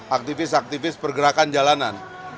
aktivis aktivis pergerakan jalanan